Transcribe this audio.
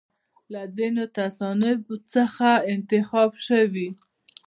له ځینو تصانیفو څخه یې انتخاب شوی.